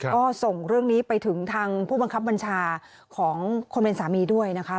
ก็ส่งเรื่องนี้ไปถึงทางผู้บังคับบัญชาของคนเป็นสามีด้วยนะคะ